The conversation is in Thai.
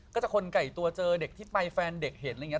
ก็จะคนไก่ตัวเจอเด็กที่ไปแฟนเด็กเห็นอะไรอย่างนี้